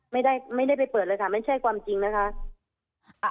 ไม่ได้ไม่ได้ไปเปิดเลยค่ะไม่ใช่ความจริงนะคะ